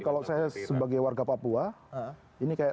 kalau saya sebagai warga papua ini kayak